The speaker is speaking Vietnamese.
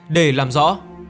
để làm rõ